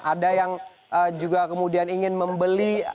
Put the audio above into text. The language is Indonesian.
ada yang juga kemudian ingin membeli